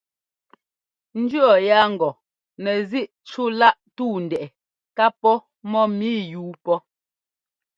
N jʉɔ́ yaa ŋgɔ nɛzíꞌ cúláꞌ túu ndɛꞌɛ ká pɔ́ mɔ́mǐ yúu pɔ́.